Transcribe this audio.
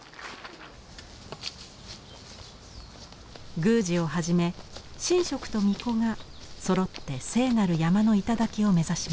宮司をはじめ神職と巫女がそろって聖なる山の頂を目指します。